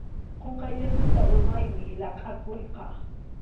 Qunqayllamanta urmaymi laqʼakuyqa.